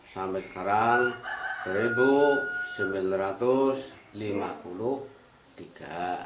sampai sekarang seribu sembilan ratus lima puluh tiga